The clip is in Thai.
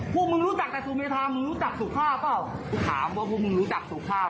พวกมึงรู้จักแต่สุเมธามึงรู้จักสุภาพเปล่ากูถามว่าพวกมึงรู้จักสุภาพ